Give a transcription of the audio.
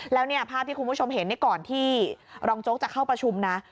แล้วเนี่ยภาพที่คุณผู้ชมเห็นก่อนที่รองโจ๊กจะเข้าประชุมนะ